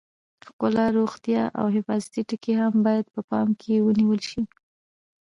ښکلا، روغتیا او حفاظتي ټکي هم باید په پام کې ونیول شي.